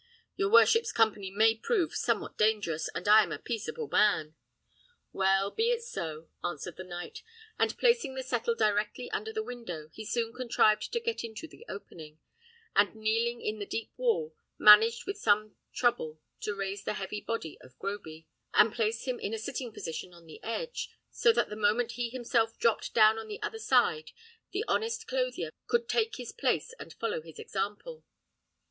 Your worship's company may prove somewhat dangerous, and I am a peaceable man." "Well, be it so," answered the knight; and placing the settle directly under the window, he soon contrived to get into the opening, and kneeling in the deep wall, managed with some trouble to raise the heavy body of Groby, and place him in a sitting position on the edge, so that the moment he himself dropped down on the other side, the honest clothier could take his place and follow his example.